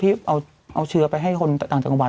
ที่เอาเชื้อไปให้คนต่างจังหวัด